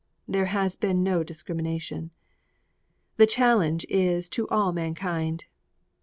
There has been no discrimination. The challenge is to all mankind.